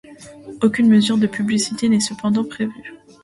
Aucune mesure de publicité n’est cependant prévue.